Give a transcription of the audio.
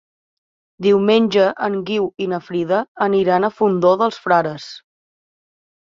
Diumenge en Guiu i na Frida aniran al Fondó dels Frares.